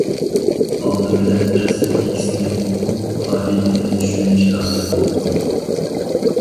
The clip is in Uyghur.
ئالدى بىلەن ئەسلىي تېكىستنى ئوقۇپ، قائىدىنى چۈشىنىش لازىم.